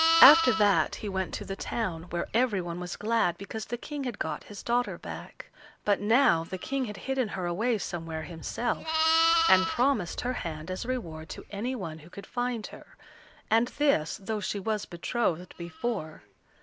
After that he went to the town, where every one was glad because the King had got his daughter back; but now the King had hidden her away somewhere himself, and promised her hand as a reward to any one who could find her, and this though she was betrothed before.